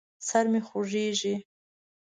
سر مې خوږېږي.